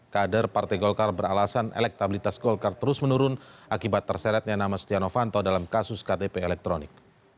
kader partai golkar beralasan elektabilitas golkar terus menurun akibat terseretnya nama setia novanto dalam kasus ktp elektronik